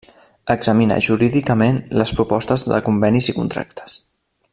Examina jurídicament les propostes de convenis i contractes.